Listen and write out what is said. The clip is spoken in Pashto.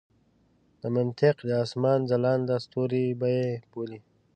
د منطق د اسمان ځلانده ستوري به یې بولي.